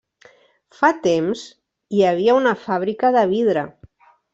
Fa temps, hi havia una fàbrica de vidre.